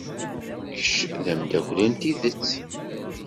Kečč d ameddakel n tidet.